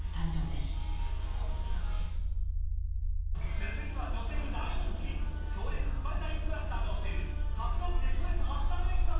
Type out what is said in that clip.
続いては女性に大人気、強烈スパルタインストラクターが教える、格闘技でストレス発散エ